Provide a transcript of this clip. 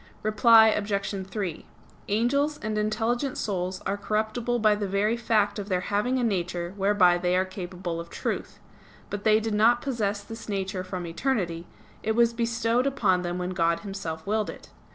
Reply Obj. 3: Angels and intelligent souls are incorruptible by the very fact of their having a nature whereby they are capable of truth. But they did not possess this nature from eternity; it was bestowed upon them when God Himself willed it.